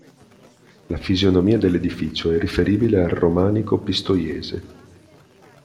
La fisionomia dell'edificio è riferibile al romanico pistoiese.